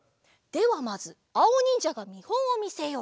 ではまずあおにんじゃがみほんをみせよう。